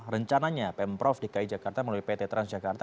rencananya pemprov dki jakarta melalui pt transjakarta